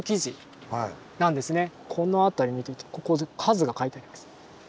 この辺り見てここで数が書いてあります。